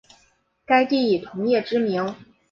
该地以铜业知名。